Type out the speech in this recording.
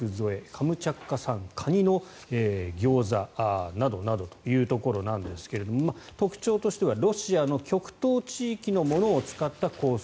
カムチャツカ産カニのギョーザなどなどというところなんですが特徴としてはロシアの極東地域のものを使ったコース